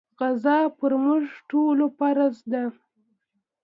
غزا پر موږ ټولو فرض ده.